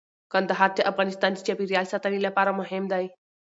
کندهار د افغانستان د چاپیریال ساتنې لپاره مهم دی.